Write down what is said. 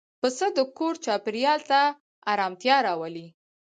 پسه د کور چاپېریال ته آرامتیا راولي.